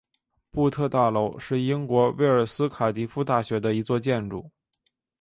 布特大楼是英国威尔斯卡迪夫大学的一座建筑。